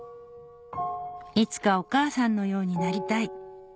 「いつかお母さんのようになりたい」